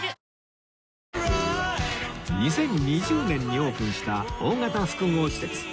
２０２０年にオープンした大型複合施設